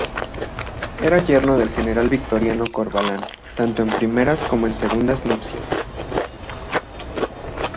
Era yerno del general Victorino Corvalán, tanto en primeras como en segundas nupcias.